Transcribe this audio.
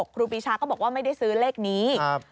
ครูปีชาก็บอกว่าไม่ได้ซื้อเลขนี้